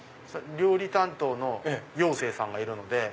料理担当のヨウセイさんがいるので。